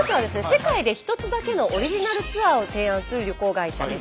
世界でひとつだけのオリジナルツアーを提案する旅行会社です。